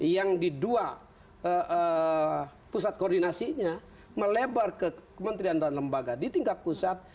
yang di dua pusat koordinasinya melebar ke kementerian dan lembaga di tingkat pusat